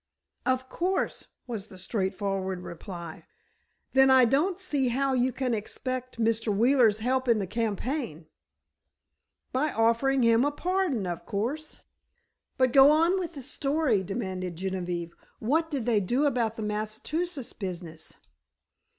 "Of course," was the straightforward reply. "Then I don't see how you can expect Mr. Wheeler's help in the campaign." "By offering him a complete pardon, of course." "But go on with the story," demanded Genevieve. "What did they do about the Massachusetts business?"